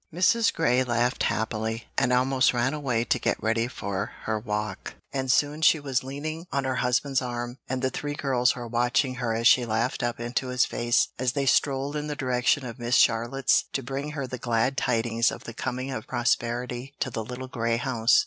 Mrs. Grey laughed happily, and almost ran away to get ready for her walk, and soon she was leaning on her husband's arm, and the three girls were watching her as she laughed up into his face, as they strolled in the direction of Miss Charlotte's to bring her the glad tidings of the coming of prosperity to the little grey house.